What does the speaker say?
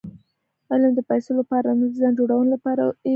علم د پېسو له پاره نه؛ د ځان جوړوني له پاره ئې وکئ!